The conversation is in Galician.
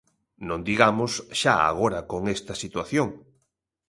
Non digamos xa agora con esta situación.